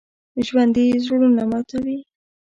ژوندي زړونه ماتوي